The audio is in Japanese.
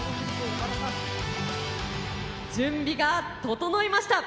準備が整いました。